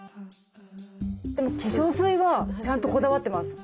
でも化粧水はちゃんとこだわってます。